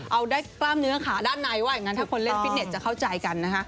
เอาได้กล้ามเนื้อขาด้านในว่าอย่างนั้นถ้าคนเล่นฟิตเน็ตจะเข้าใจกันนะคะ